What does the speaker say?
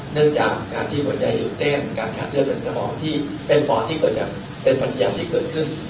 เนื่องจากการที่หัวใจหยุดเต้นการชัดเลือดเป็นสมองที่เป็นปอดที่เกิดจะเป็นปัญญาที่เกิดขึ้น